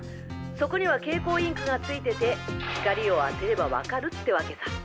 そこには蛍光インクがついてて光を当てればわかるってわけさ！